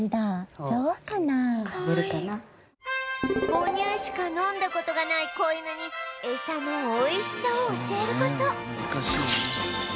母乳しか飲んだ事がない子犬にエサのおいしさを教える事